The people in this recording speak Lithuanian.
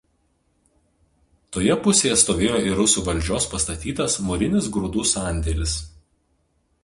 Toje pusėje stovėjo ir rusų valdžios pastatytas mūrinis grūdų sandėlis.